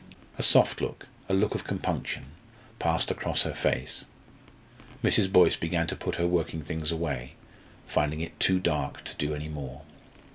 A soft look a look of compunction passed across her face. Mrs. Boyce began to put her working things away, finding it too dark to do any more.